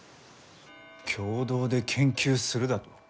共同で研究するだと？